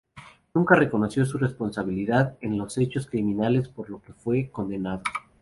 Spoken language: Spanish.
Nunca reconoció su responsabilidad en los hechos criminales por los que fue condenado.